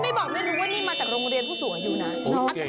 บอกไม่รู้ว่านี่มาจากโรงเรียนผู้สูงอายุนะ